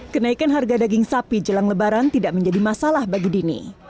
kenaikan harga daging sapi jelang lebaran tidak menjadi masalah bagi dini